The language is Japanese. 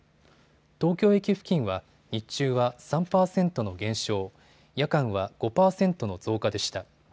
東京駅付近は日中は３％の減少、夜間は５％の増加でした。